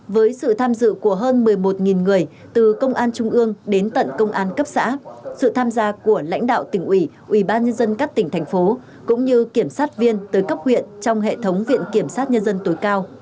với sự tham dự của hơn một mươi một người từ công an trung ương đến tận công an cấp xã sự tham gia của lãnh đạo tỉnh ủy ủy ban nhân dân các tỉnh thành phố cũng như kiểm sát viên tới cấp huyện trong hệ thống viện kiểm sát nhân dân tối cao